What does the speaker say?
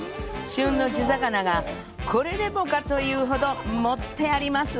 旬の地魚がこれでもかというほど盛ってあります。